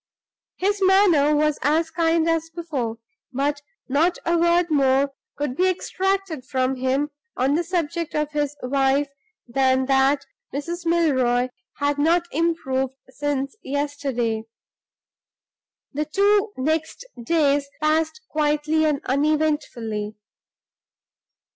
His manner was as kind as before; but not a word more could be extracted from him on the subject of his wife than that Mrs. Milroy "had not improved since yesterday." The two next days passed quietly and uneventfully.